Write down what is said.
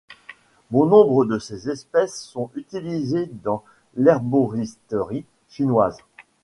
Bon nombre de ses espèces sont utilisées dans l'herboristerie chinoise.